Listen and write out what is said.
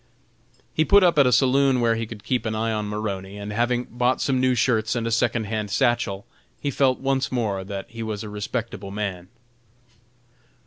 He put up at a saloon where he could keep an eye on Maroney, and having bought some new shirts and a second hand satchel, he felt once more that he was a respectable man.